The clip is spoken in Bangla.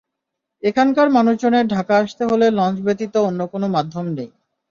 এখানকার মানুষজনের ঢাকা আসতে হলে লঞ্চ ব্যতীত অন্য কোনো মাধ্যম নেই।